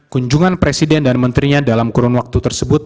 kunjungan presiden dan menterinya dalam kurun waktu tersebut